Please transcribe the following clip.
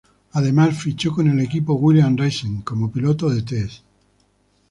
Además, fichó con el equipo Williams Racing como piloto de "test".